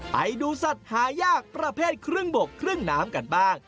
ไปดูสัตว์หายากประเภทครึ่งบกครึ่งน้ำกันบ้าง